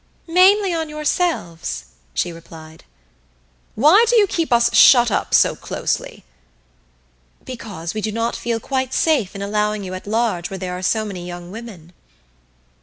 "Mainly on yourselves," she replied. "Why do you keep us shut up so closely?" "Because we do not feel quite safe in allowing you at large where there are so many young women."